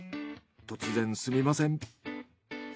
突然すみません。